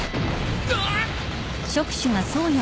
うわっ！